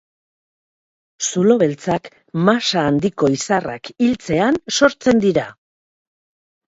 Zulo beltzak masa handiko izarrak hiltzean sortzen dira.